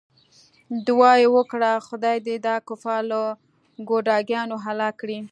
دعا یې وکړه خدای دې دا کفار له ګوډاګیانو هلاک کړي.